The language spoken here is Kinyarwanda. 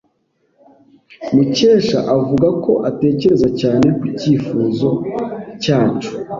Mukesha avuga ko atekereza cyane ku cyifuzo cyacu.